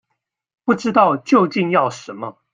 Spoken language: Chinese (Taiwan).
不知道究竟要什麼